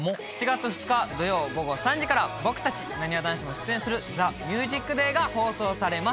７月２日土曜午後３時から僕たちなにわ男子も出演する『ＴＨＥＭＵＳＩＣＤＡＹ』が放送されます。